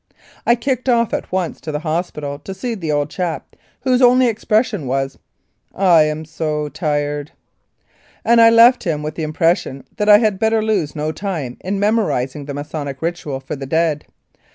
I kicked off at once to the hospital to see the old chap, whose only expression was, "I'm so tired !" and I left him with the impression that I had better lose no time in memorising the Masonic ritual for the dead.